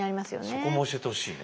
そこも教えてほしいね。